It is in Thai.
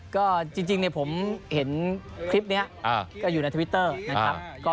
ก็จริงผมเห็นคลิปนี้ก็อยู่ในทวิตเตอร์นะครับ